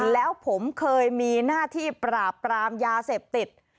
แล้วผมเคยมีหน้าที่ปราบปรามยาเสพติด